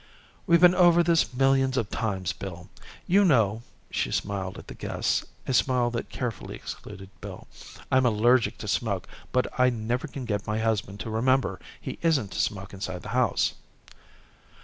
"We've been over this millions of times, Bill. You know " she smiled at the guests, a smile that carefully excluded Bill. " I'm allergic to smoke, but I never can get my husband to remember he isn't to smoke inside the house."